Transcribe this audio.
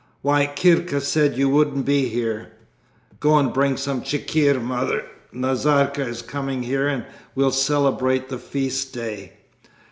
"Why, Kirka said you wouldn't be here." "Go and bring some chikhir, Mother. Nazarka is coming here and we will celebrate the feast day."